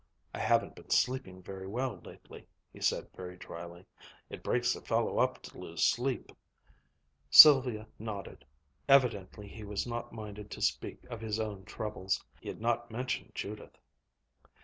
"I haven't been sleeping very well lately," he said very dryly. "It breaks a fellow up to lose sleep." Sylvia nodded. Evidently he was not minded to speak of his own troubles. He had not mentioned Judith.